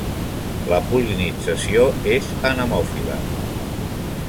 La pol·linització és anemòfila.